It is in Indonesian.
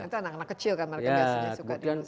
itu anak anak kecil kan mereka biasanya suka dinosaurus